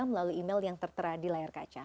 melalui email yang tertera di layar kaca